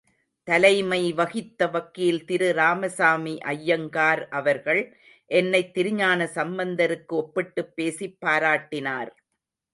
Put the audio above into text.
தலைமை வகித்த வக்கீல் திரு ராமசாமி அய்யங்கார் அவர்கள், என்னைத் திருஞான சம்பந்தருக்கு ஒப்பிட்டுப் பேசிப் பாராட்டினார்.